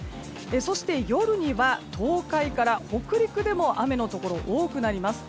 そして、夜には東海から北陸でも雨のところが多くなります。